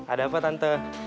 ada apa tante